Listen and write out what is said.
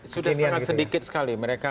sudah sedikit sekali mereka